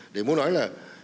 để muốn nói là